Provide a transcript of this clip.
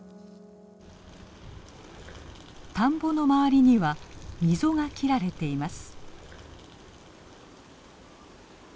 田んぼの周りには溝が切られています。